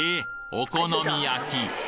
お好み焼き？